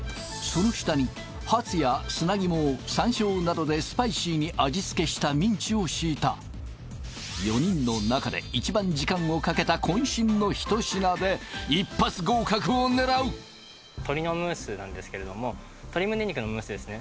その下にハツや砂肝を山椒などでスパイシーに味付けしたミンチを敷いた４人の中で一番時間をかけたこん身のひと品で一発合格を狙う鶏のムースなんですけれども鶏むね肉のムースですね